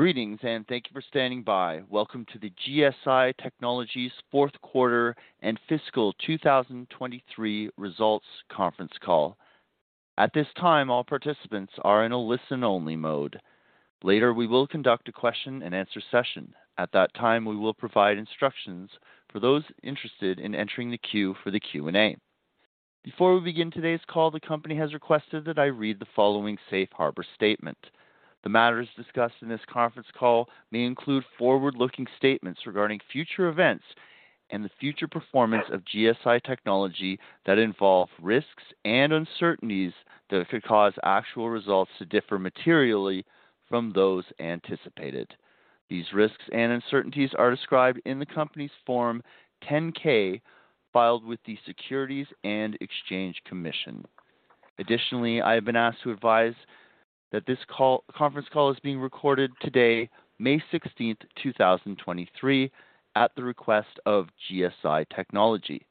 Greetings, thank you for standing by. Welcome to the GSI Technology fourth quarter and fiscal 2023 results conference call. At this time, all participants are in a listen-only mode. Later, we will conduct a question-and-answer session. At that time, we will provide instructions for those interested in entering the queue for the Q&A. Before we begin today's call, the company has requested that I read the following safe harbor statement. The matters discussed in this conference call may include forward-looking statements regarding future events and the future performance of GSI Technology that involve risks and uncertainties that could cause actual results to differ materially from those anticipated. These risks and uncertainties are described in the company's Form 10-K filed with the Securities and Exchange Commission. Additionally, I have been asked to advise that this conference call is being recorded today, May sixteenth, 2023, at the request of GSI Technology.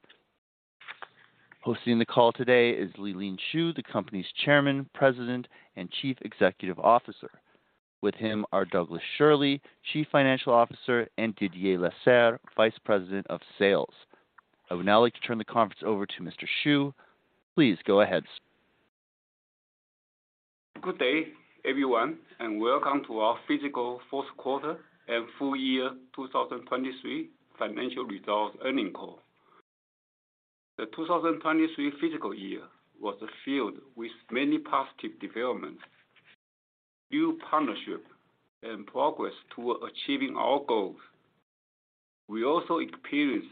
Hosting the call today is Lee-Lean Shu, the company's chairman, president, and chief executive officer. With him are Douglas Schirle, chief financial officer, and Didier Lasserre, vice president of sales. I would now like to turn the conference over to Mr. Shu. Please go ahead, sir. Good day, everyone, and welcome to our fiscal fourth quarter and full year 2023 financial results earning call. The 2023 fiscal year was filled with many positive developments, new partnership, and progress toward achieving our goals. We also experienced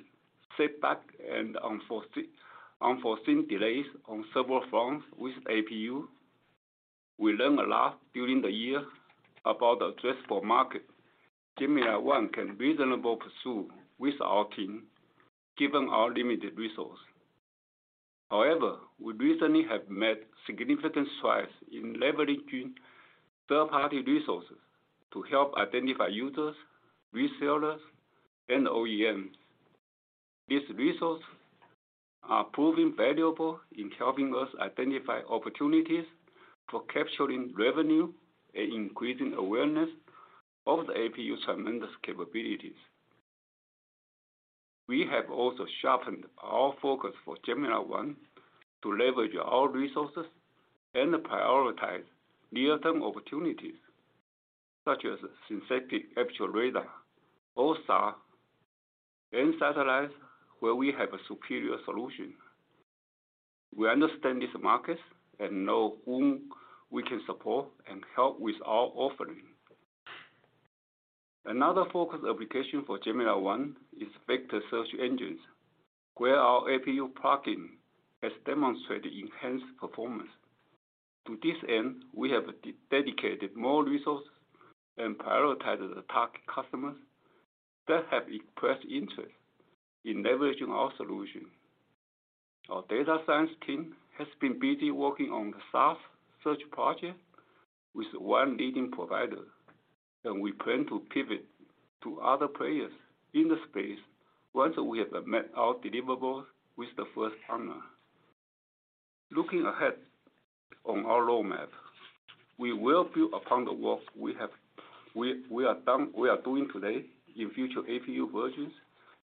setback and unforeseen delays on several fronts with APU. We learned a lot during the year about the addressable market Gemini-I can reasonably pursue with our team given our limited resource. However, we recently have made significant strides in leveraging third-party resources to help identify users, resellers, and OEMs. These resources are proving valuable in helping us identify opportunities for capturing revenue and increasing awareness of the APU tremendous capabilities. We have also sharpened our focus for Gemini-I to leverage our resources and prioritize near-term opportunities such as synthetic aperture radar, or SAR, and satellites where we have a superior solution. We understand these markets and know whom we can support and help with our offering. Another focus application for Gemini-I is vector search engines, where our APU plugin has demonstrated enhanced performance. To this end, we have de-dedicated more resources and prioritized the target customers that have expressed interest in leveraging our solution. Our data science team has been busy working on the SaaS search project with one leading provider, and we plan to pivot to other players in the space once we have met our deliverables with the first partner. Looking ahead on our roadmap, we will build upon the work we are doing today in future APU versions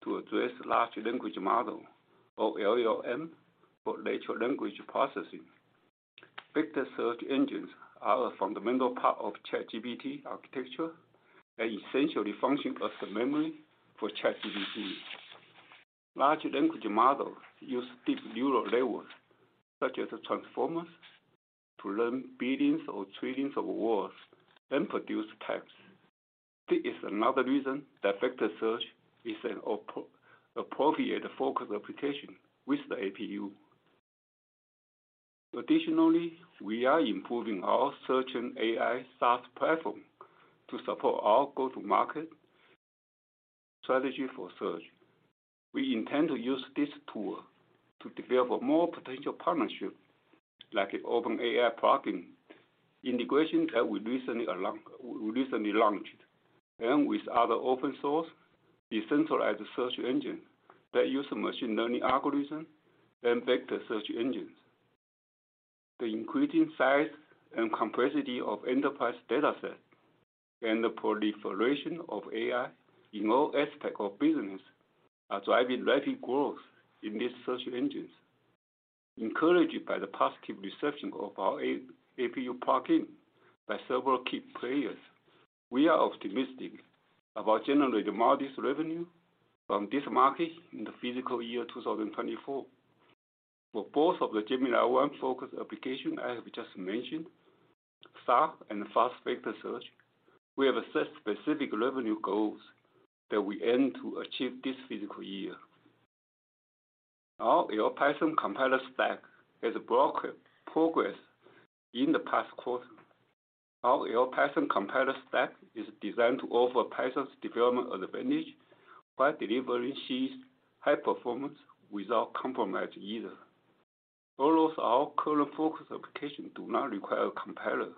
to address large language model of LLM for natural language processing. Vector search engines are a fundamental part of ChatGPT architecture and essentially function as the memory for ChatGPT. Large language models use deep neural networks, such as transformers, to learn billions or trillions of words and produce text. This is another reason that vector search is an appropriate focus application with the APU. Additionally, we are improving our search and AI SaaS platform to support our go-to-market strategy for search. We intend to use this tool to develop more potential partnership, like an OpenAI plugin integration that we recently launched, and with other open source decentralized search engine that use machine learning algorithm and vector search engines. The increasing size and complexity of enterprise datasets and the proliferation of AI in all aspects of business are driving rapid growth in these search engines. Encouraged by the positive reception of our APU plugin by several key players, we are optimistic about generating modest revenue from this market in the fiscal year 2024. For both of the Gemini-I focus application I have just mentioned, SaaS and Fast Vector Search, we have set specific revenue goals that we aim to achieve this fiscal year. Our Python compiler stack has progressed in the past quarter. Our Python compiler stack is designed to offer Python's development advantage while delivering C's high performance without compromising either. Almost all current focus applications do not require a compiler.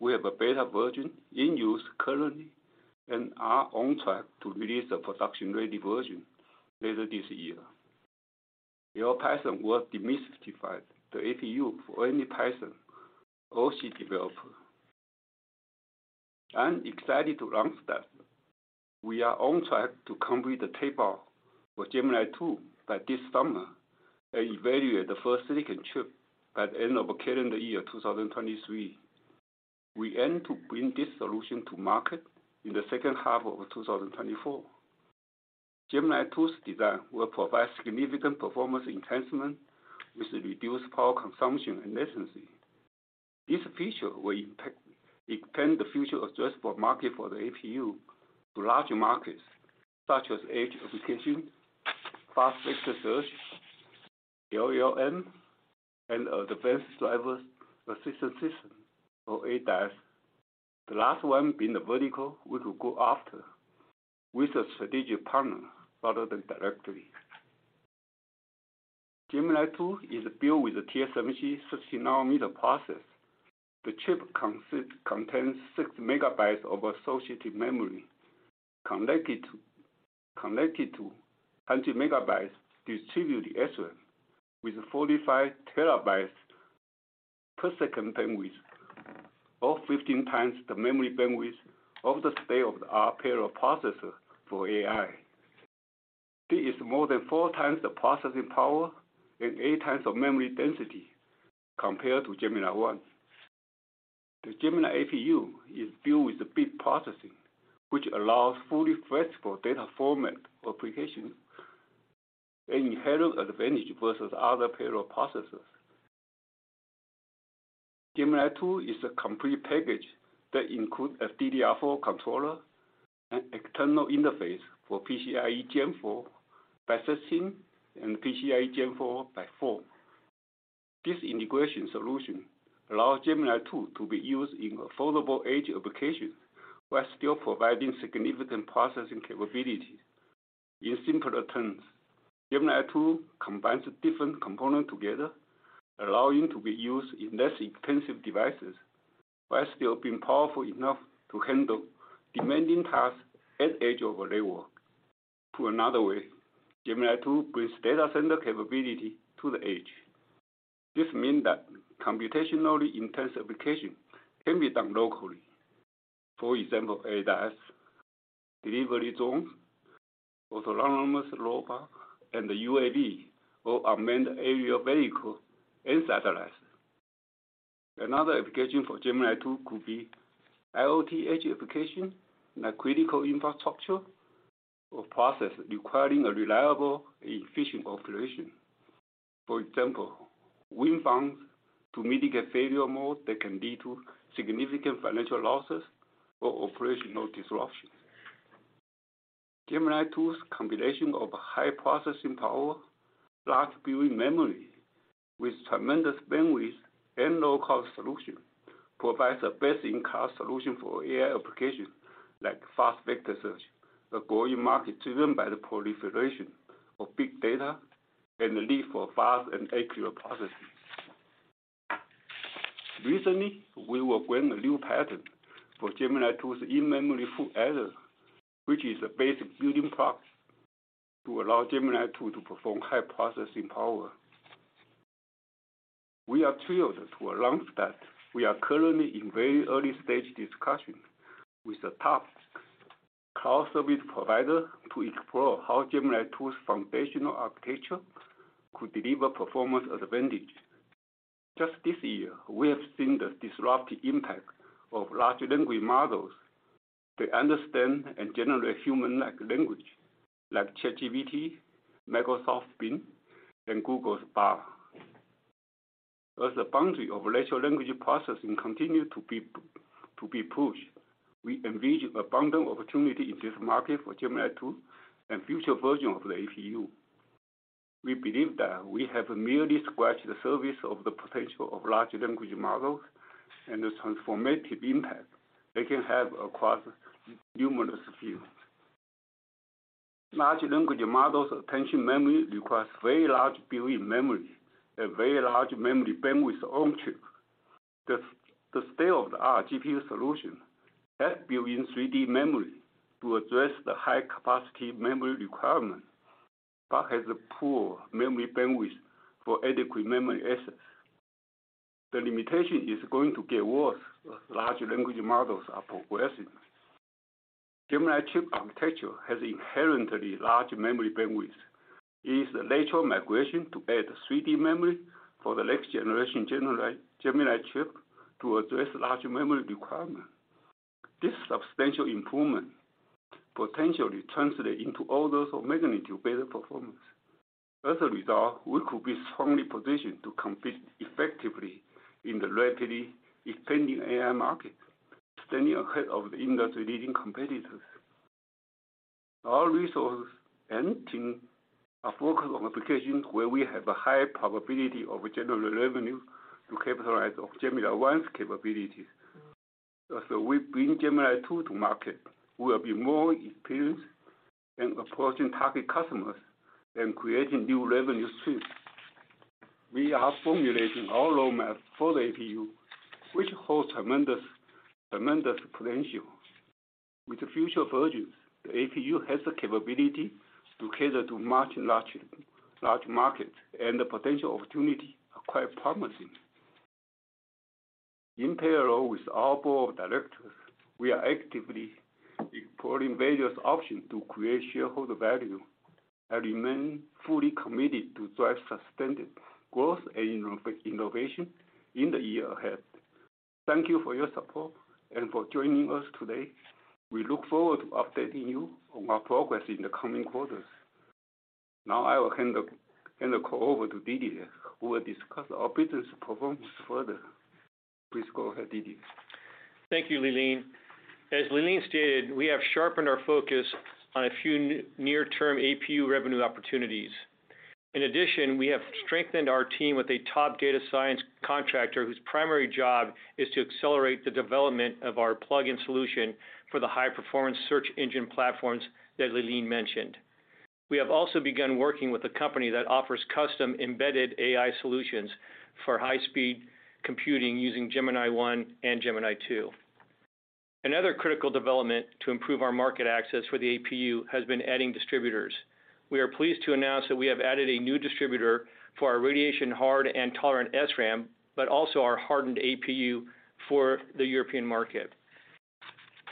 We have a beta version in use currently and are on track to release a production-ready version later this year. Your pattern will demystify the APU for any person or C developer. I'm excited to announce that we are on track to complete the tape out for Gemini-II by this summer, and evaluate the first silicon chip by the end of calendar year 2023. We aim to bring this solution to market in the second half of 2024. Gemini-II's design will provide significant performance enhancement, which will reduce power consumption and latency. This feature will expand the future addressable market for the APU to larger markets such as edge application, Fast Vector Search, LLM, and advanced driver assistance system or ADAS. The last one being the vertical we could go after with a strategic partner rather than directly. Gemini-II is built with a TSMC 16nm process. The chip contains 6 megabytes of associative memory connected to 100 megabytes distributed SRAM with 45 TB per second bandwidth or 15 times the memory bandwidth of the state-of-the-art parallel processor for AI. This is more than four times the processing power and eight times of memory density compared to Gemini-I. The Gemini APU is built with bit processing, which allows fully flexible data format for applications, an inherent advantage versus other parallel processors. Gemini-II is a complete package that includes a DDR4 controller and external interface for PCIe Gen4 by 16 and PCIe Gen4 by 4. This integration solution allows Gemini-II to be used in affordable edge applications while still providing significant processing capabilities. In simpler terms, Gemini-II combines different components together, allowing to be used in less expensive devices while still being powerful enough to handle demanding tasks at edge of a network. Put another way, Gemini-II brings data center capability to the edge. This mean that computationally intense application can be done locally. For example, ADAS, delivery drones, autonomous robot, and UAV or unmanned aerial vehicle and satellites. Another application for Gemini-II could be IoT edge application like critical infrastructure or process requiring a reliable and efficient operation. For example, wind farms to mitigate failure mode that can lead to significant financial losses or operational disruptions. Gemini-II's combination of high processing power, large built-in memory with tremendous bandwidth and low cost solution provides the best-in-class solution for AI applications like Fast Vector Search, a growing market driven by the proliferation of big data and the need for fast and accurate processing. Recently, we were granted a new patent for Gemini-II's in-memory full adder, which is a basic building block to allow Gemini-II to perform high processing power. We are thrilled to announce that we are currently in very early-stage discussions with a top cloud service provider to explore how Gemini-II's foundational architecture could deliver performance advantage. Just this year, we have seen the disruptive impact of large language models to understand and generate human-like language like ChatGPT, Microsoft Bing, and Google's Bard. As the boundary of natural language processing continue to be pushed, we envision abundant opportunity in this market for Gemini-II and future version of the APU. We believe that we have merely scratched the surface of the potential of large language models and the transformative impact they can have across numerous fields. Large language models attention memory requires very large built-in memory and very large memory bandwidth on-chip. The state-of-the-art GPU solution has built-in 3D memory to address the high-capacity memory requirement but has a poor memory bandwidth for adequate memory access. The limitation is going to get worse as large language models are progressing. Gemini chip architecture has inherently large memory bandwidth. It is the natural migration to add 3D memory for the next generation Gemini chip to address large memory requirement. This substantial improvement potentially translate into orders of magnitude better performance. As a result, we could be strongly positioned to compete effectively in the rapidly expanding AI market, staying ahead of the industry-leading competitors. Our resources and team are focused on applications where we have a high probability of generating revenue to capitalize off Gemini-I's capabilities. As we bring Gemini-II to market, we will be more experienced in approaching target customers and creating new revenue streams. We are formulating our roadmap for the APU, which holds tremendous potential. With the future versions, the APU has the capability to cater to much larger markets, and the potential opportunity are quite promising. In parallel with our board of directors, we are actively exploring various options to create shareholder value. I remain fully committed to drive sustained growth and innovation in the year ahead. Thank you for your support and for joining us today. We look forward to updating you on our progress in the coming quarters. I will hand the call over to Didier, who will discuss our business performance further. Please go ahead, Didier. Thank you, Lee-Lean. As Lee-Lean stated, we have sharpened our focus on a few near-term APU revenue opportunities. In addition, we have strengthened our team with a top data science contractor whose primary job is to accelerate the development of our plug-in solution for the high-performance search engine platforms that Lee-Lean mentioned. We have also begun working with a company that offers custom embedded AI solutions for high-speed computing using Gemini-I and Gemini-II. Another critical development to improve our market access for the APU has been adding distributors. We are pleased to announce that we have added a new distributor for our radiation hard and tolerant SRAM, but also our hardened APU for the European market.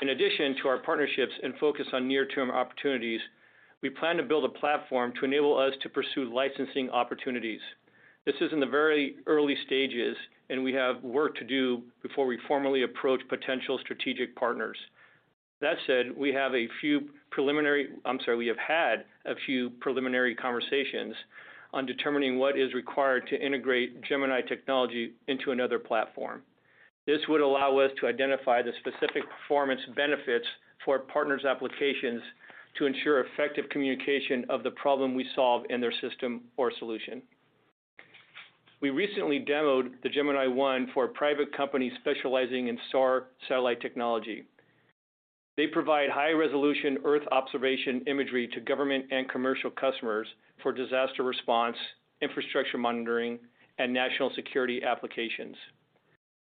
In addition to our partnerships and focus on near-term opportunities, we plan to build a platform to enable us to pursue licensing opportunities. This is in the very early stages, and we have work to do before we formally approach potential strategic partners. That said, we have a few preliminary... I'm sorry, we have had a few preliminary conversations on determining what is required to integrate Gemini technology into another platform. This would allow us to identify the specific performance benefits for partners' applications to ensure effective communication of the problem we solve in their system or solution. We recently demoed the Gemini-I for a private company specializing in SAR satellite technology. They provide high-resolution Earth observation imagery to government and commercial customers for disaster response, infrastructure monitoring, and national security applications.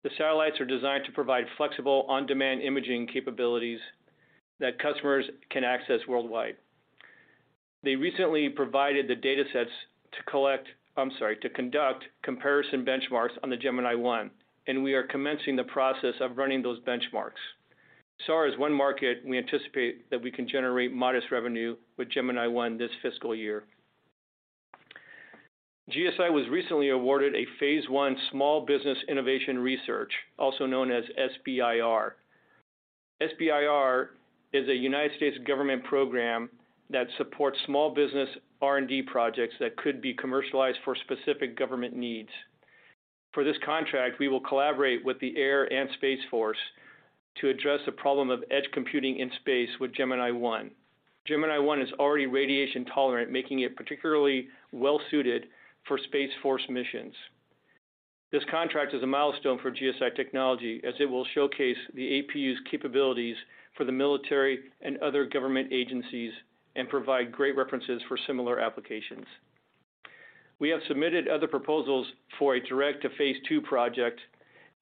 The satellites are designed to provide flexible on-demand imaging capabilities that customers can access worldwide. They recently provided the datasets to conduct comparison benchmarks on the Gemini-I. We are commencing the process of running those benchmarks. SAR is 1 market we anticipate that we can generate modest revenue with Gemini-I this fiscal year. GSI was recently awarded a phase 1 Small Business Innovation Research, also known as SBIR. SBIR is a U.S. government program that supports small business R&D projects that could be commercialized for specific government needs. For this contract, we will collaborate with the Air and Space Force to address the problem of edge computing in space with Gemini-I. Gemini-I is already radiation-tolerant, making it particularly well suited for Space Force missions. This contract is a milestone for GSI Technology, as it will showcase the APU's capabilities for the military and other government agencies and provide great references for similar applications. We have submitted other proposals for a direct to phase 2 project,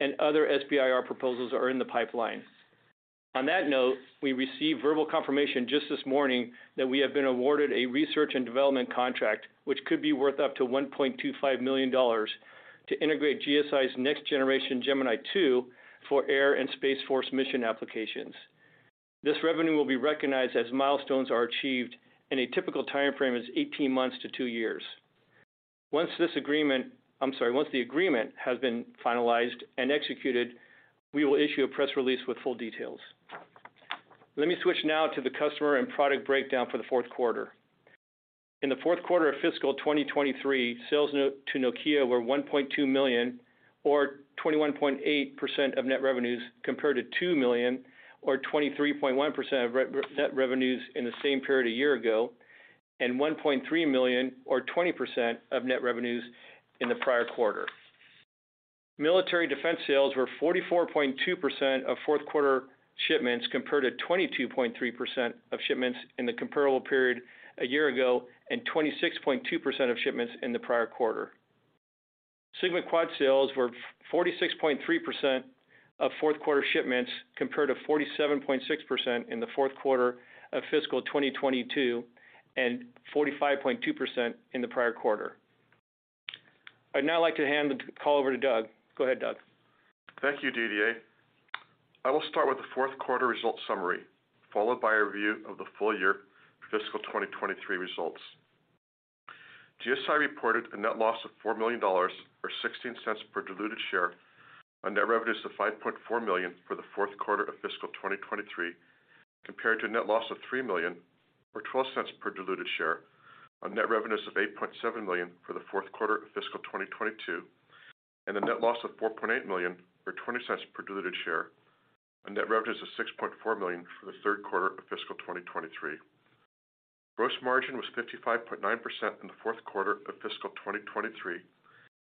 and other SBIR proposals are in the pipeline. On that note, we received verbal confirmation just this morning that we have been awarded a research and development contract, which could be worth up to $1.25 million to integrate GSI's next generation Gemini-II for Air and Space Force mission applications. This revenue will be recognized as milestones are achieved, and a typical timeframe is 18 months to 2 years. Once the agreement has been finalized and executed, we will issue a press release with full details. Let me switch now to the customer and product breakdown for the fourth quarter. In the fourth quarter of fiscal 2023, sales to Nokia were $1.2 million or 21.8% of net revenues, compared to $2 million or 23.1% of net revenues in the same period a year ago, and $1.3 million or 20% of net revenues in the prior quarter. Military defense sales were 44.2% of fourth quarter shipments, compared to 22.3% of shipments in the comparable period a year ago, and 26.2% of shipments in the prior quarter. SigmaQuad sales were 46.3% of fourth quarter shipments, compared to 47.6% in the fourth quarter of fiscal 2022, and 45.2% in the prior quarter. I'd now like to hand the call over to Doug. Go ahead, Doug. Thank you, Didier. I will start with the fourth quarter results summary, followed by a review of the full year for fiscal 2023 results. GSI reported a net loss of $4 million or $0.16 per diluted share on net revenues of $5.4 million for the fourth quarter of fiscal 2023, compared to a net loss of $3 million or $0.12 per diluted share on net revenues of $8.7 million for the fourth quarter of fiscal 2022, a net loss of $4.8 million or $0.20 per diluted share on net revenues of $6.4 million for the third quarter of fiscal 2023. Gross margin was 55.9% in the fourth quarter of fiscal 2023,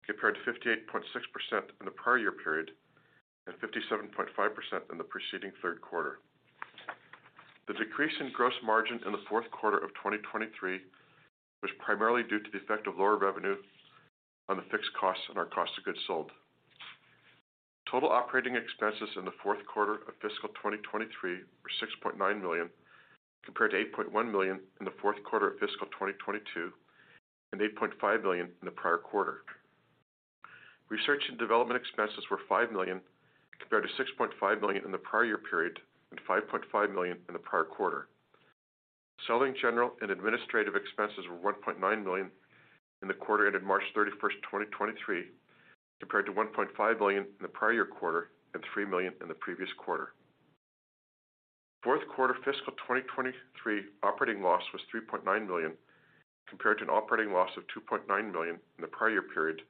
compared to 58.6% in the prior year period, and 57.5% in the preceding third quarter. The decrease in gross margin in the fourth quarter of 2023 was primarily due to the effect of lower revenue on the fixed costs and our cost of goods sold. Total operating expenses in the fourth quarter of fiscal 2023 were $6.9 million, compared to $8.1 million in the fourth quarter of fiscal 2022 and $8.5 million in the prior quarter. Research and development expenses were $5 million compared to $6.5 million in the prior year period and $5.5 million in the prior quarter. Selling, general and administrative expenses were $1.9 million in the quarter ended March 31st, 2023, compared to $1.5 million in the prior year quarter and $3 million in the previous quarter. Fourth quarter fiscal 2023 operating loss was $3.9 million, compared to an operating loss of $2.9 million in the prior year period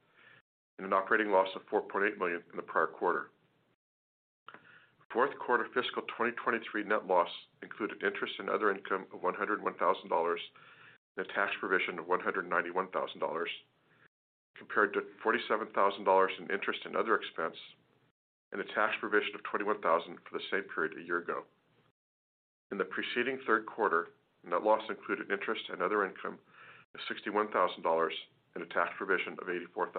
and an operating loss of $4.8 million in the prior quarter. Fourth quarter fiscal 2023 net loss included interest and other income of $101,000 and a tax provision of $191,000, compared to $47,000 in interest and other expense and a tax provision of $21,000 for the same period a year ago. In the preceding third quarter, net loss included interest and other income of $61,000 and a tax provision of $84,000.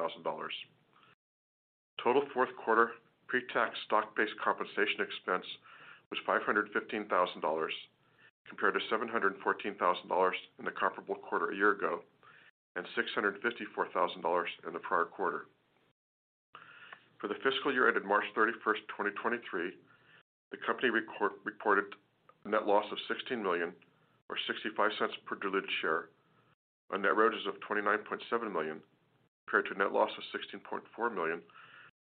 Total fourth quarter pre-tax stock-based compensation expense was $515,000, compared to $714,000 in the comparable quarter a year ago, and $654,000 in the prior quarter. For the fiscal year ended March 31, 2023, the company reported net loss of $16 million or $0.65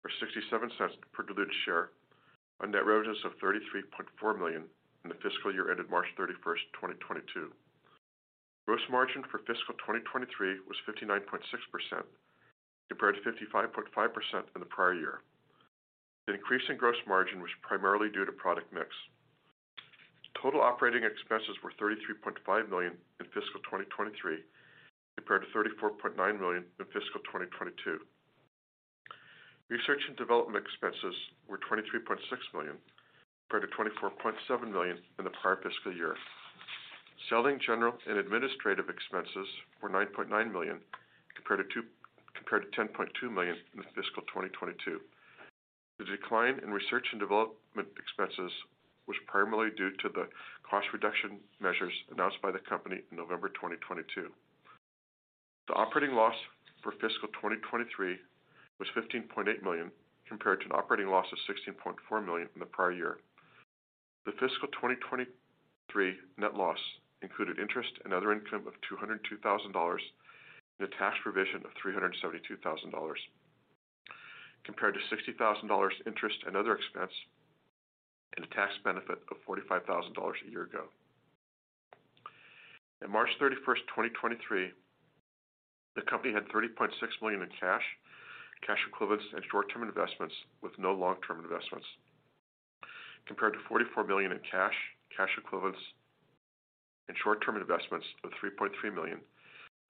per diluted share on net revenues of $29.7 million, compared to a net loss of $16.4 million or $0.67 per diluted share on net revenues of $33.4 million in the fiscal year ended March 31, 2022. Gross margin for fiscal 2023 was 59.6% compared to 55.5% in the prior year. The increase in gross margin was primarily due to product mix. Total operating expenses were $33.5 million in fiscal 2023, compared to $34.9 million in fiscal 2022. Research and development expenses were $23.6 million, compared to $24.7 million in the prior fiscal year. Selling general and administrative expenses were $9.9 million, compared to $10.2 million in fiscal 2022. The decline in research and development expenses was primarily due to the cost reduction measures announced by the company in November 2022. The operating loss for fiscal 2023 was $15.8 million, compared to an operating loss of $16.4 million from the prior year. The fiscal 2023 net loss included interest and other income of $202,000 and a tax provision of $372,000, compared to $60,000 interest and other expense and a tax benefit of $45,000 a year ago. On March 31st, 2023, the company had $30.6 million in cash equivalents and short-term investments, with no long-term investments, compared to $44 million in cash equivalents and short-term investments, with $3.3 million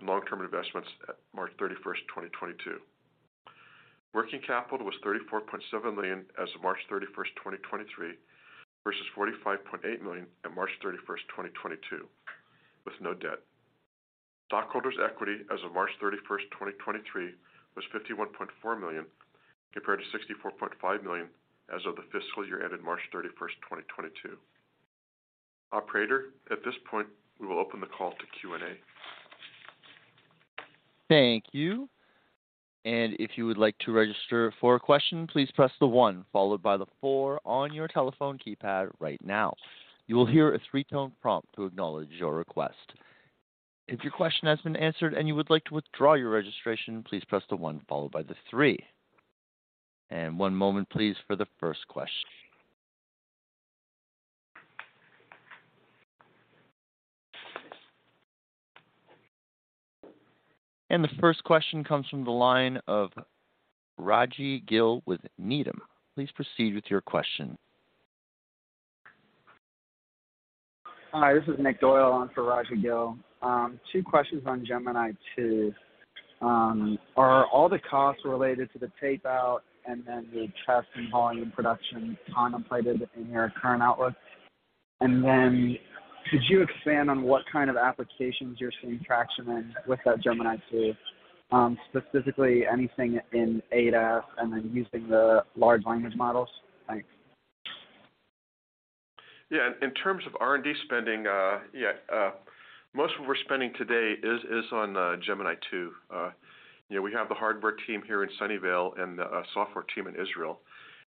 in long-term investments at March 31st, 2022. Working capital was $34.7 million as of March 31st, 2023, versus $45.8 million at March 31st, 2022, with no debt. Stockholders equity as of March 31, 2023 was $51.4 million, compared to $64.5 million as of the fiscal year ended March 31, 2022. Operator, at this point, we will open the call to Q&A. Thank you. If you would like to register for a question, please press the one followed by the four on your telephone keypad right now. You will hear a three-tone prompt to acknowledge your request. If your question has been answered and you would like to withdraw your registration, please press the 1 followed by the three. One moment please for the first question. The first question comes from the line of Raji Gill with Needham. Please proceed with your question. Hi, this is Nick Doyle on for Rajvindra Gill. Two questions on Gemini-II. Are all the costs related to the tape-out and then the test and volume production contemplated in your current outlook? Could you expand on what kind of applications you're seeing traction in with that Gemini-II, specifically anything in ADAS and then using the large language models? Thanks. Yeah. In terms of R&D spending, yeah, most of what we're spending today is on Gemini-II. You know, we have the hardware team here in Sunnyvale and a software team in Israel.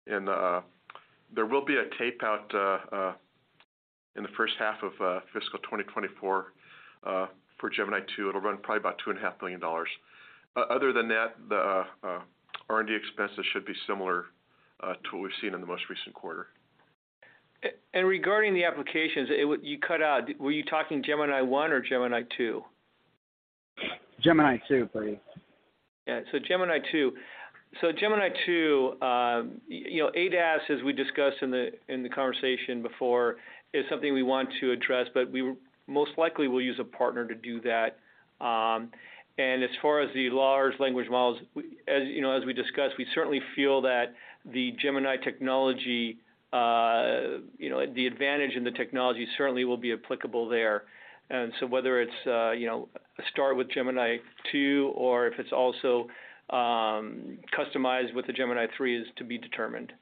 There will be a tape out in the first half of fiscal 2024 for Gemini-II. It'll run probably about two and a half million dollars. Other than that, the R&D expenses should be similar to what we've seen in the most recent quarter. Regarding the applications, you cut out. Were you talking Gemini-I or Gemini-II? Gemini-II, please. Yeah. Gemini-II. Gemini-II, you know, ADAS, as we discussed in the, in the conversation before, is something we want to address, but we most likely will use a partner to do that. As far as the large language models, as we discussed, we certainly feel that the Gemini technology, you know, the advantage in the technology certainly will be applicable there. Whether it's, you know, start with Gemini-II or if it's also, customized with the Gemini Three is to be determined.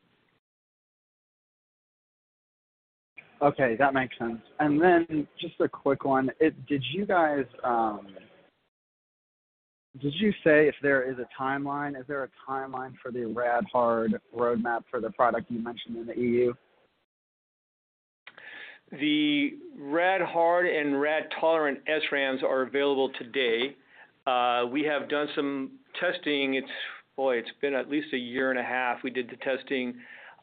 Okay, that makes sense. Just a quick one. Did you say if there is a timeline? Is there a timeline for the rad-hard roadmap for the product you mentioned in the EU? The rad-hard and rad tolerant SRAMs are available today. We have done some testing. It's been at least a year and a half. We did the testing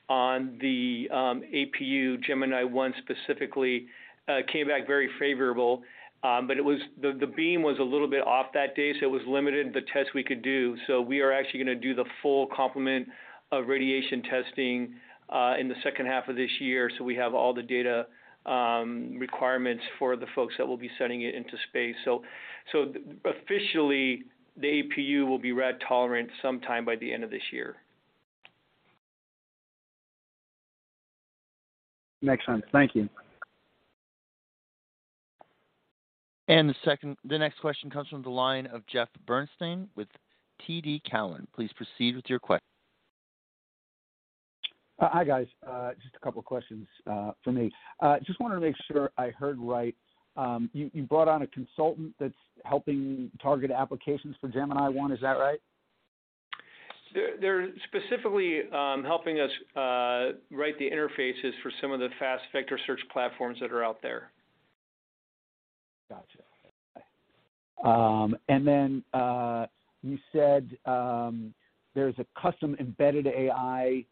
on the APU Gemini-I specifically. It came back very favorable, but the beam was a little bit off that day, so it was limited the test we could do. We are actually gonna do the full complement of radiation testing in the second half of this year, so we have all the data requirements for the folks that will be sending it into space. Officially, the APU will be rad tolerant sometime by the end of this year. Makes sense. Thank you. The next question comes from the line of Krish Sankar with TD Cowen. Please proceed with your. Hi guys. Just a couple of questions for me. Just wanna make sure I heard right. You brought on a consultant that's helping target applications for Gemini-I, is that right? They're specifically helping us write the interfaces for some of the Fast Vector Search platforms that are out there. Gotcha. Then, you said, there's a custom embedded AI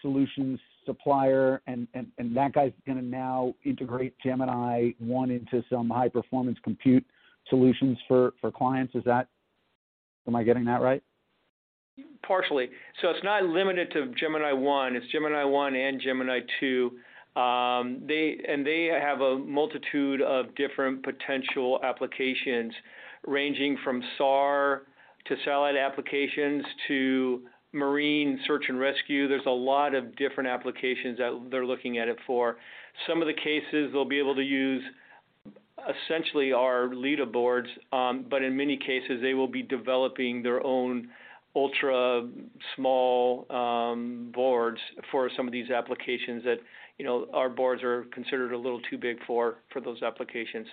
solutions supplier and that guy's gonna now integrate Gemini-I into some high performance compute solutions for clients. Am I getting that right? Partially. It's not limited to Gemini-I. It's Gemini-I and Gemini-II. They have a multitude of different potential applications, ranging from SAR to satellite applications to marine search and rescue. There's a lot of different applications that they're looking at it for. Some of the cases, they'll be able to use essentially our leaderboards, but in many cases, they will be developing their own ultra small boards for some of these applications that, you know, our boards are considered a little too big for those applications.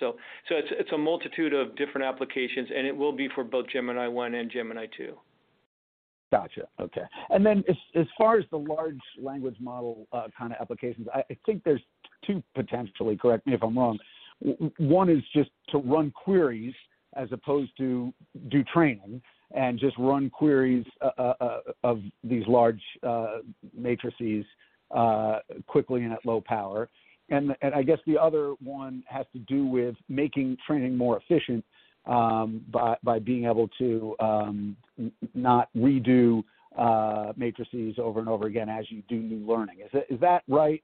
It's a multitude of different applications, and it will be for both Gemini-I and Gemini-II. Gotcha. Okay. Then as far as the large language model, kinda applications, I think there's two potentially, correct me if I'm wrong. One is just to run queries as opposed to do training and just run queries of these large matrices quickly and at low power. I guess the other one has to do with making training more efficient, by being able to not redo matrices over and over again as you do new learning. Is that right?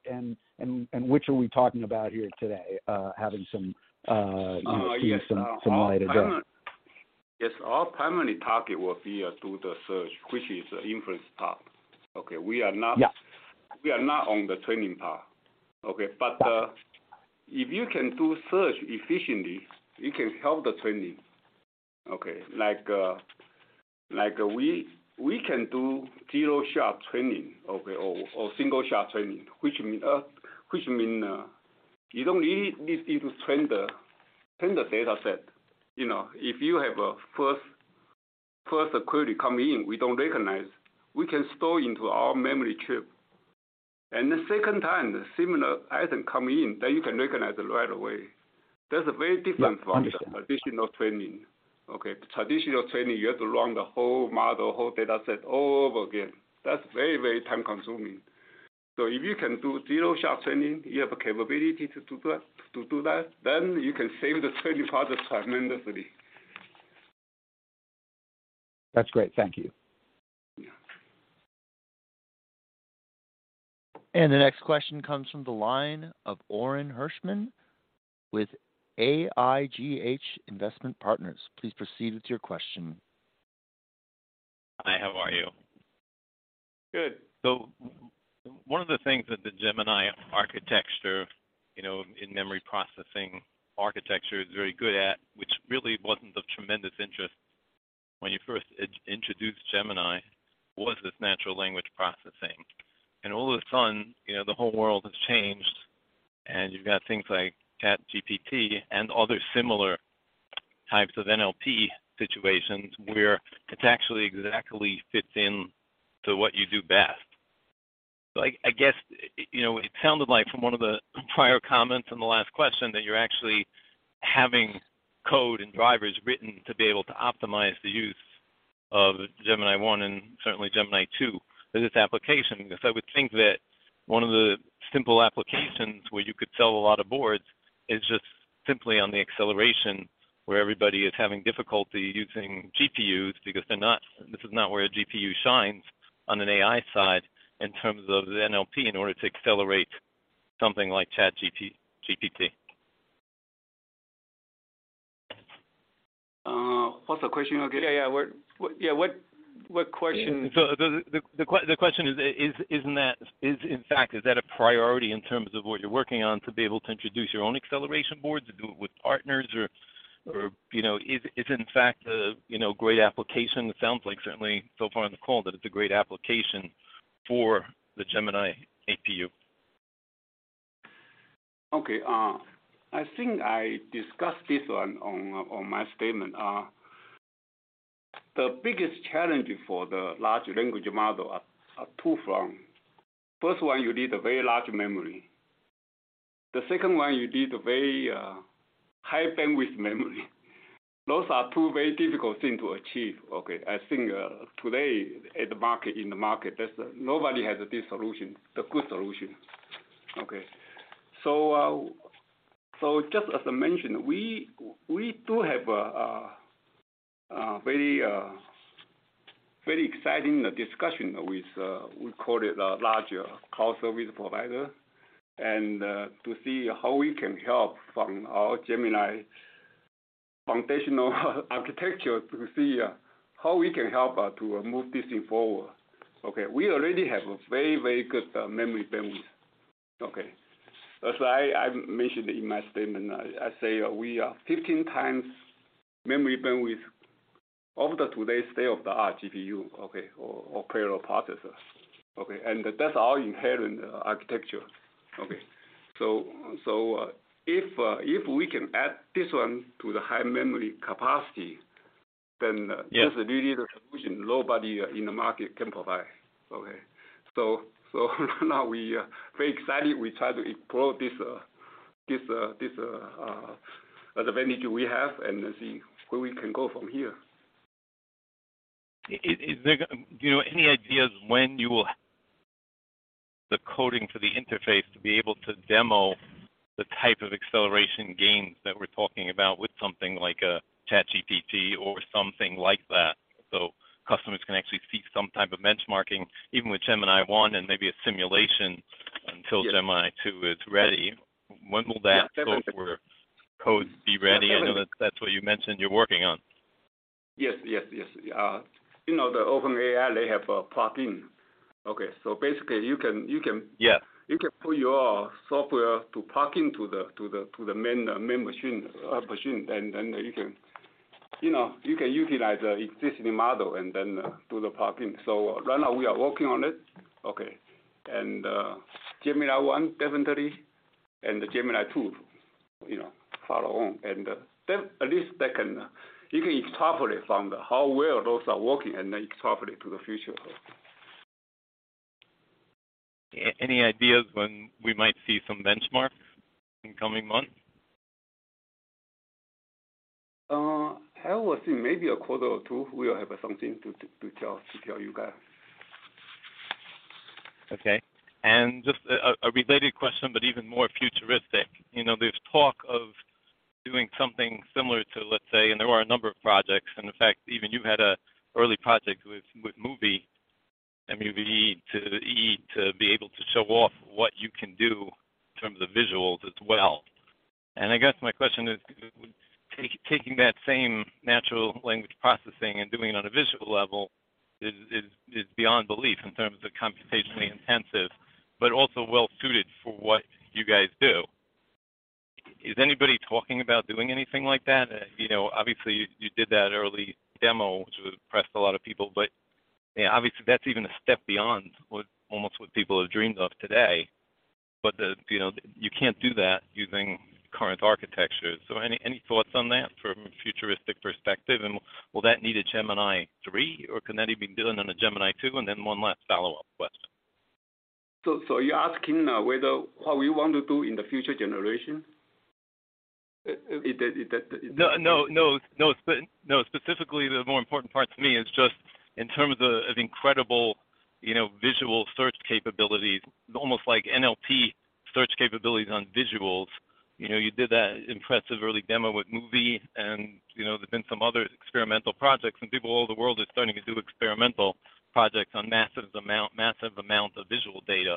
Which are we talking about here today? Having some, you know, seeing some light today. Yes. Our primary target will be to the search, which is the inference part. Okay. We are not on the training path. Okay. If you can do search efficiently, you can help the training. Okay. Like we can do zero-shot learning, okay, or one-shot learning, which mean you don't need to train the data set. You know, if you have a first query coming in we don't recognize, we can store into our memory chip. The second time the similar item come in, then you can recognize it right away. That's very different from the traditional training. Okay. Traditional training, you have to run the whole model, whole data set all over again. That's very, very time-consuming. If you can do zero-shot learning, you have a capability to do that, then you can save the training process tremendously. That's great. Thank you. Yeah. The next question comes from the line of Orin Hirschman with AIGH Investment Partners. Please proceed with your question. Hi, how are you? Good. One of the things that the Gemini architecture, you know, in-memory processing architecture is very good at, which really wasn't of tremendous interest when you first introduced Gemini, was this natural language processing. All of a sudden, you know, the whole world has changed, and you've got things like ChatGPT and other similar types of NLP situations where it actually exactly fits in to what you do best. I guess, you know, it sounded like from one of the prior comments in the last question that you're actually having code and drivers written to be able to optimize the use of Gemini-I and certainly Gemini-II for this application. I would think that One of the simple applications where you could sell a lot of boards is just simply on the acceleration where everybody is having difficulty using GPUs because this is not where a GPU shines on an AI side in terms of the NLP in order to accelerate something like ChatGPT. What's the question again? Yeah. The question is, isn't that, in fact, is that a priority in terms of what you're working on to be able to introduce your own acceleration boards to do it with partners or, you know, is it, in fact, a, you know, great application? It sounds like certainly so far in the call that it's a great application for the Gemini APU. Okay, I think I discussed this one on my statement. The biggest challenge for the large language model are two form. First one, you need a very large memory. The second one, you need a very high bandwidth memory. Those are two very difficult thing to achieve, okay. I think today at the market, in the market, nobody has this solution, the good solution, okay. Just as I mentioned, we do have a very exciting discussion with, we call it a larger cloud service provider, and to see how we can help from our Gemini foundational architecture to see how we can help to move this thing forward. Okay, we already have a very, very good memory bandwidth. Okay. As I mentioned in my statement, I say we are 15 times memory bandwidth of the today's state-of-the-art GPU, okay, or parallel processor, okay. That's all inherent architecture, okay. If we can add this one to the high memory capacity, then this is really the solution nobody in the market can provide, okay? Now we very excited. We try to explore this the advantage we have and see where we can go from here. Do you know any ideas when you will the coding for the interface to be able to demo the type of acceleration gains that we're talking about with something like a ChatGPT or something like that, so customers can actually see some type of benchmarking even with Gemini-I and maybe a simulation until Gemini-II is ready? When will that code be ready? I know that that's what you mentioned you're working on. Yes, the OpenAI, they have a plugin, okay. basically, you can put your software to plugin to the main machine, and then, you can utilize the existing model and then do the plugin. Right now we are working on it, okay. Gemini-I definitely, and the Gemini-II, you know, follow on. You can extrapolate from how well those are working and then extrapolate to the future. Any ideas when we might see some benchmarks in coming months? I would say maybe a quarter or two, we'll have something to tell you guys. Okay. Just a related question, but even more futuristic. You know, there's talk of doing something similar to, let's say, and there are a number of projects, and in fact, even you had a early project with MUVE, to be able to show off what you can do in terms of visuals as well. I guess my question is, taking that same natural language processing and doing it on a visual level is beyond belief in terms of computationally intensive, but also well-suited for what you guys do. Is anybody talking about doing anything like that? You know, obviously you did that early demo, which impressed a lot of people, but yeah, obviously that's even a step beyond what, almost what people have dreamed of today. The, you know, you can't do that using current architecture. Any, thoughts on that from a futuristic perspective? Will that need a Gemini-III, or can that even be done on a Gemini-II? One last follow-up question. you're asking whether what we want to do in the future generation? Is that? No, specifically, the more important part to me is just in terms of incredible, you know, visual search capabilities, almost like NLP search capabilities on visuals. You know, you did that impressive early demo with MUVE and, you know, there's been some other experimental projects, and people all over the world are starting to do experimental projects on massive amount of visual data.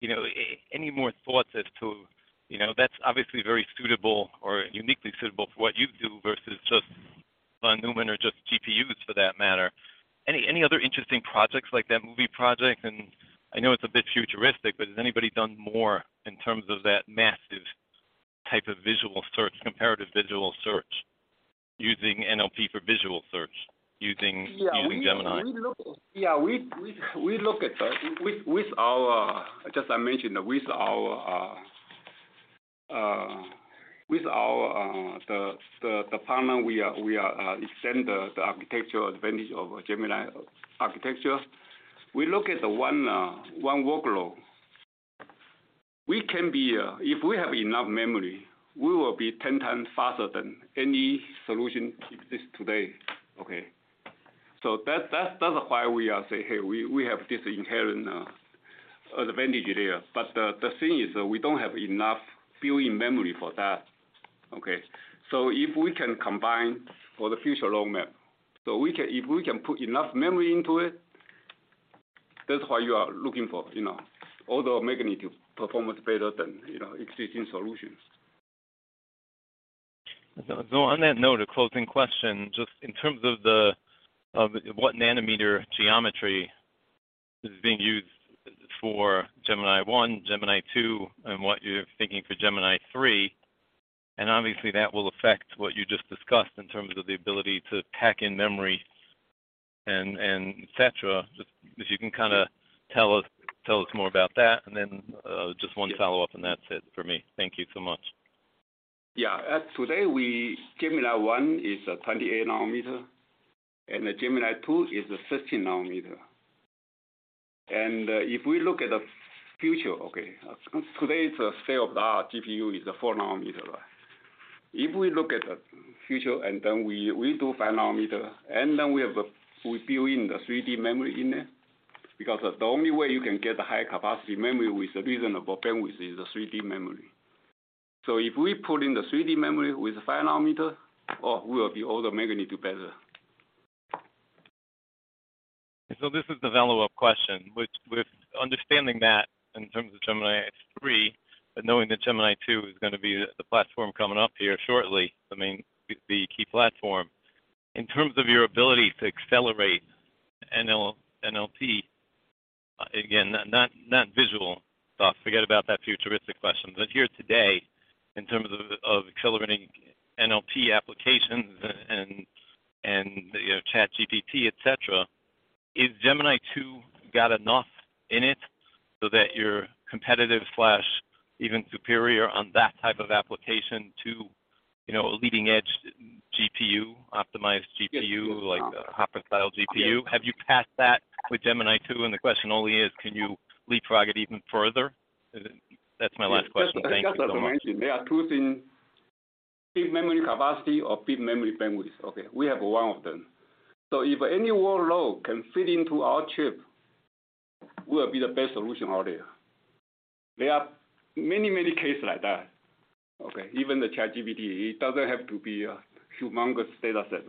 You know, any more thoughts as to, you know, that's obviously very suitable or uniquely suitable for what you do versus just on NUMEN or just GPUs for that matter. Any other interesting projects like that MUVE project? And I know it's a bit futuristic, but has anybody done more in terms of that massive type of visual search, comparative visual search using NLP for visual search using using Gemini. We look. Yeah. We look at With our just I mentioned, with our partner we extend the architecture advantage of Gemini architecture. We look at the one workload. We can be, if we have enough memory, we will be 10x faster than any solution exists today, okay? That's why we say, hey, we have this inherent advantage there. The thing is that we don't have enough viewing memory for that, okay? If we can combine for the future roadmap. If we can put enough memory into it, that's why you are looking for, you know, order of magnitude performance better than, you know, existing solutions. On that note, a closing question, just in terms of the what nanometer geometry is being used for Gemini-I, Gemini-II, and what you're thinking for Gemini 3. Obviously, that will affect what you just discussed in terms of the ability to pack in memory and etc. Just if you can kind of tell us more about that, and then, just one follow-up, and that's it for me. Thank you so much. Yeah. As today Gemini-I is a 28 nm, Gemini-II is a 16 nm. If we look at the future, okay, today's state-of-the-art GPU is a 4 nm. If we look at the future, then we do 5 nm, we build in the 3D memory in it, because the only way you can get the high capacity memory with reasonable bandwidth is the 3D memory. If we put in the 3D memory with the 5 nm, we will be order of magnitude better. This is the follow-up question, which with understanding that in terms of Gemini 3, but knowing that Gemini-II is gonna be the platform coming up here shortly, I mean, the key platform. In terms of your ability to accelerate NLP, again, not visual, so I'll forget about that futuristic question. Here today, in terms of accelerating NLP applications and, you know, ChatGPT, etc, is Gemini-II got enough in it so that you're competitive/even superior on that type of application to, you know, a leading edge GPU, optimized GPU? Yes. Like a Hopper-style GPU? Have you passed that with Gemini-II? The question only is, can you leapfrog it even further? That's my last question. Thank you so much. Just as I mentioned, there are two things, big memory capacity or big memory bandwidth, okay? We have one of them. If any workload can fit into our chip, we will be the best solution out there. There are many, many cases like that, okay? Even the ChatGPT, it doesn't have to be a humongous data set.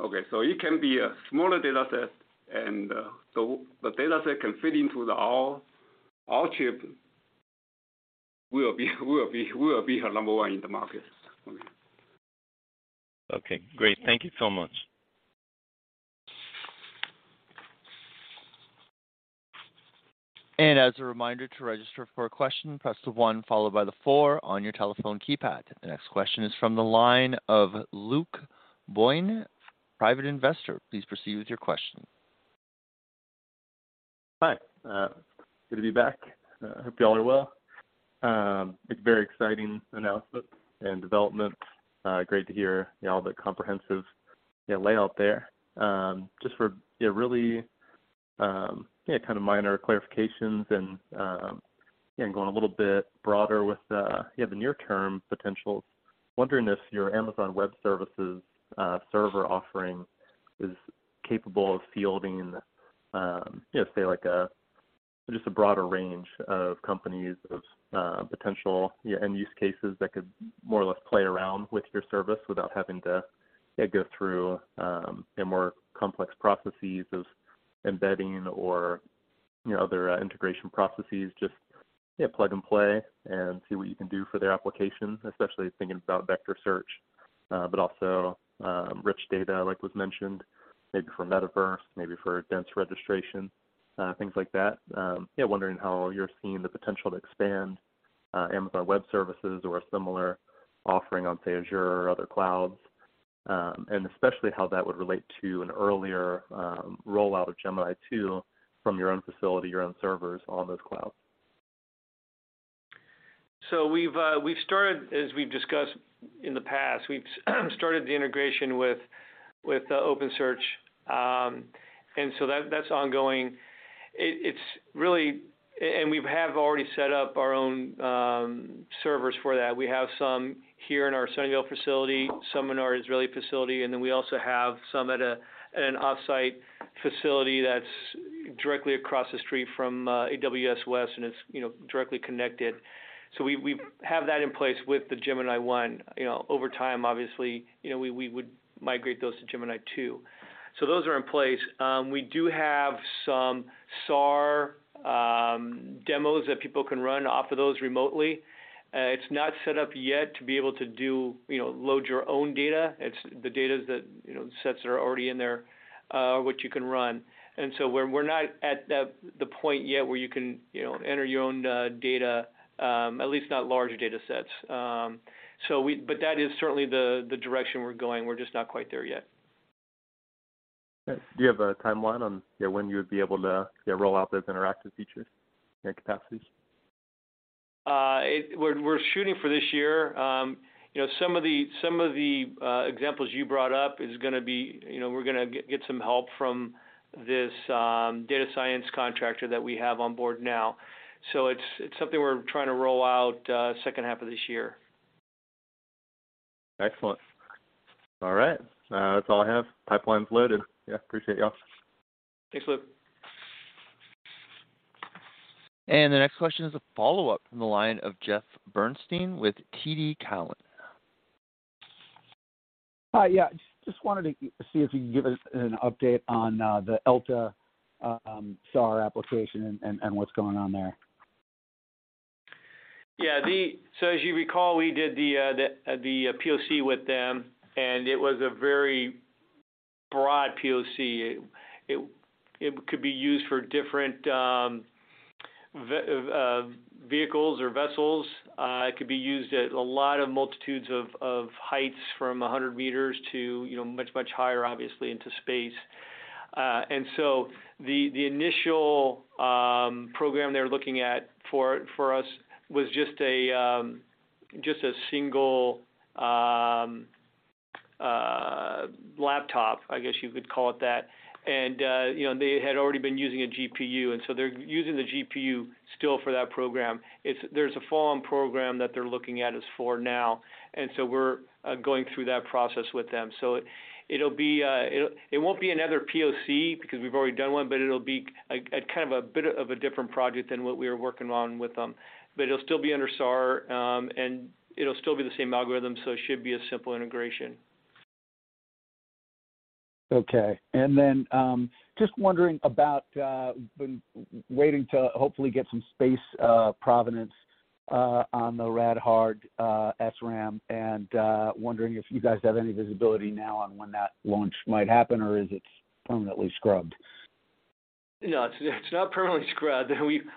It can be a smaller data set and the data set can fit into our chip. We will be a number one in the market for me. Okay, great. Thank you so much. As a reminder to register for a question, press the one followed by the four on your telephone keypad. The next question is from the line of Luke Boyne, private investor. Please proceed with your question. Hi. Good to be back. Hope you all are well. It's a very exciting announcement and development. Great to hear, you know, the comprehensive, you know, layout there. Just for, you know, really, yeah, kind of minor clarifications and, yeah, going a little bit broader with, yeah, the near term potential. Wondering if your Amazon Web Services server offering is capable of fielding, you know, say like a, just a broader range of companies of, potential, yeah, end-use cases that could more or less play around with your service without having to, yeah, go through a more complex processes of embedding or, you know, other integration processes? Just, yeah, plug and play and see what you can do for their applications, especially thinking about vector search, but also, rich data like was mentioned, maybe for metaverse, maybe for dense registration, things like that. Yeah, wondering how you're seeing the potential to expand Amazon Web Services or a similar offering on, say, Azure or other clouds. Especially how that would relate to an earlier rollout of Gemini-II from your own facility, your own servers on those clouds. We've, we've started, as we've discussed in the past, we've started the integration with the OpenSearch. That's ongoing. It's really. We have already set up our own servers for that. We have some here in our Sunnyvale facility, some in our Israeli facility, and then we also have some at an offsite facility that's directly across the street from AWS West, and it's, you know, directly connected. We have that in place with the Gemini-I. You know, over time, obviously, you know, we would migrate those to Gemini-II. Those are in place. We do have some SAR demos that people can run off of those remotely. It's not set up yet to be able to do, you know, load your own data. It's the data that, you know, sets that are already in there, which you can run. We're not at the point yet where you can, you know, enter your own data, at least not larger data sets. That is certainly the direction we're going. We're just not quite there yet. Do you have a timeline on, yeah, when you would be able to, yeah, roll out those interactive features and capacities? We're shooting for this year. You know, some of the examples you brought up is gonna be, you know, we're gonna get some help from this data science contractor that we have on board now. It's something we're trying to roll out second half of this year. Excellent. All right. That's all I have. Pipeline's loaded. Yeah, appreciate y'all. Thanks, Luke. The next question is a follow-up from the line of Krish Sankar with TD Cowen. Hi. Yeah. Just wanted to see if you could give us an update on the ELTA SAR application and what's going on there? As you recall, we did the POC with them. It was a very broad POC. It could be used for different vehicles or vessels. It could be used at a lot multitudes of heights from 100 m to, you know, much, much higher, obviously, into space. The initial program they're looking at for us was just a single laptop, I guess you could call it that. You know, they had already been using a GPU, they're using the GPU still for that program. There's a follow-on program that they're looking at is for now, we're going through that process with them. It'll be. It won't be another POC because we've already done one, but it'll be a kind of a bit of a different project than what we were working on with them. It'll still be under SAR, and it'll still be the same algorithm, so it should be a simple integration. Okay. Just wondering about, we've been waiting to hopefully get some space provenance on the rad-hard SRAM, and wondering if you guys have any visibility now on when that launch might happen or is it permanently scrubbed? No, it's not permanently scrubbed.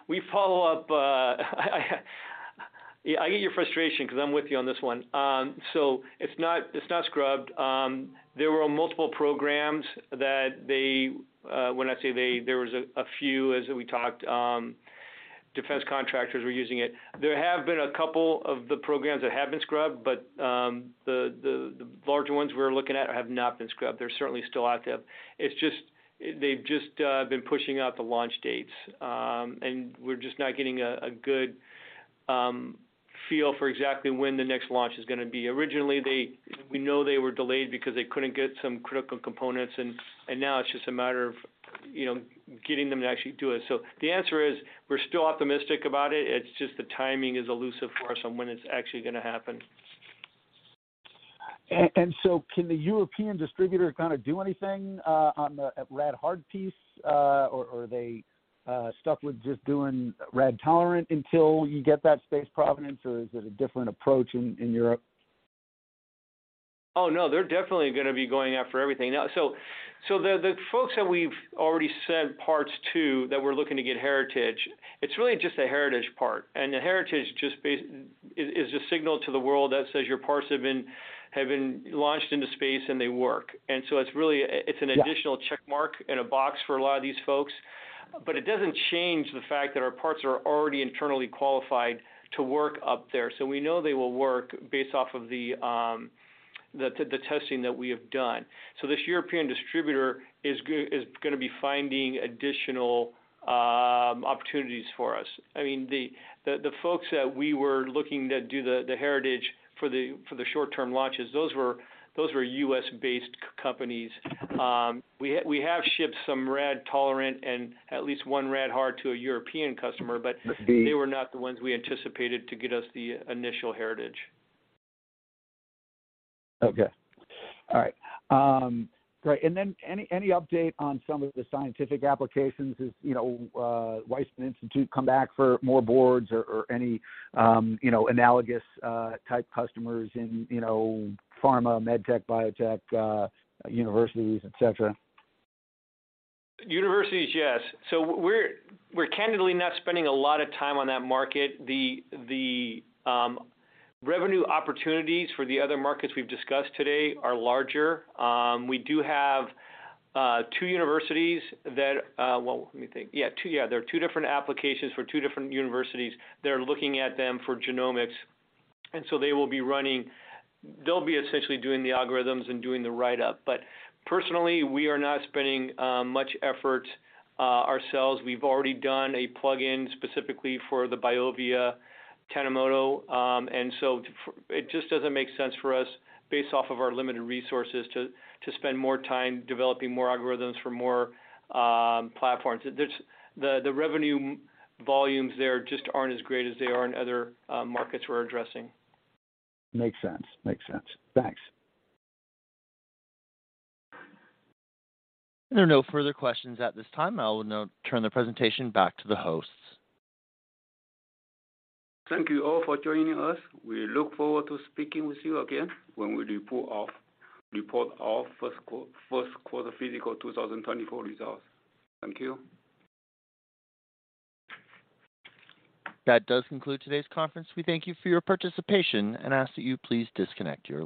We follow up. Yeah, I get your frustration because I'm with you on this one. So it's not scrubbed. There were multiple programs that they, when I say they, there was a few as we talked, defense contractors were using it. There have been a couple of the programs that have been scrubbed, but the larger ones we're looking at have not been scrubbed. They're certainly still active. They've just been pushing out the launch dates. We're just not getting a good feel for exactly when the next launch is gonna be. We know they were delayed because they couldn't get some critical components and now it's just a matter of, you know, getting them to actually do it. The answer is, we're still optimistic about it. It's just the timing is elusive for us on when it's actually gonna happen. Can the European distributor kinda do anything on the rad-hard piece or are they stuck with just doing Radiation-Tolerant until you get that space provenance or is it a different approach in Europe? Oh, no, they're definitely gonna be going after everything now. The folks that we've already sent parts to that we're looking to get heritage, it's really just a heritage part. The heritage is a signal to the world that says your parts have been launched into space and they work. It's really a, it's an additional check mark and a box for a lot of these folks, but it doesn't change the fact that our parts are already internally qualified to work up there. We know they will work based off of the testing that we have done. This European distributor is gonna be finding additional opportunities for us. I mean, the folks that we were looking to do the heritage for the short-term launches, those were U.S.-based companies. We have shipped some rad tolerant and at least one rad-hard to a European customer, but they were not the ones we anticipated to get us the initial heritage. Okay. All right. great. Any update on some of the scientific applications? Is, you know, Weizmann Institute come back for more boards or any, you know, analogous, type customers in, you know, pharma, med tech, biotech, universities, et cetera? Universities, yes. We're, we're candidly not spending a lot of time on that market. The revenue opportunities for the other markets we've discussed today are larger. We do have two universities that, well, let me think. Yeah, two. Yeah, there are two different applications for two different universities that are looking at them for genomics. They'll be essentially doing the algorithms and doing the write-up. Personally, we are not spending much effort ourselves. We've already done a plug-in specifically for the BIOVIA Tanimoto, and so it just doesn't make sense for us based off of our limited resources to spend more time developing more algorithms for more platforms. The revenue volumes there just aren't as great as they are in other markets we're addressing. Makes sense. Thanks. There are no further questions at this time. I will now turn the presentation back to the hosts. Thank you all for joining us. We look forward to speaking with you again when we report our first quarter fiscal 2024 results. Thank you. That does conclude today's conference. We thank you for your participation and ask that you please disconnect your line.